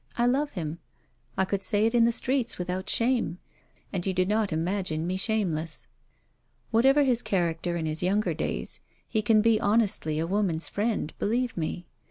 I love him. I could say it in the streets without shame; and you do not imagine me shameless. Whatever his character in his younger days, he can be honestly a woman's friend, believe me.